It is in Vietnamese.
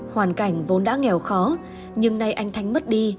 hoàn cảnh vốn đã nghèo khó nhưng nay anh thanh mất đi